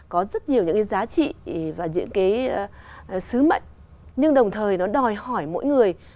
có những cái